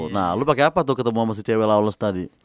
nah lu pake apa tuh ketemu sama si cewek lawless tadi